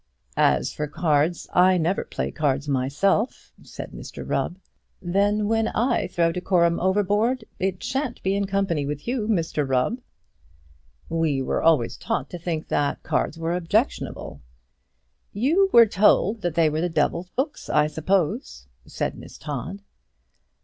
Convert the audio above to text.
"As for cards, I never play cards myself," said Mr Rubb. "Then, when I throw decorum overboard, it sha'n't be in company with you, Mr Rubb." "We were always taught to think that cards were objectionable." "You were told they were the devil's books, I suppose," said Miss Todd.